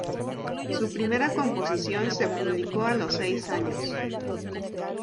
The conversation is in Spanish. Su primera composición se publicó a los seis años.